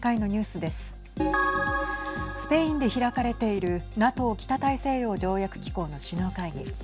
スペインで開かれているＮＡＴＯ＝北大西洋条約機構の首脳会議。